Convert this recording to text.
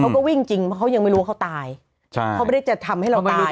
เขาก็วิ่งจริงเพราะเขายังไม่รู้ว่าเขาตายใช่เขาไม่ได้จะทำให้เราตาย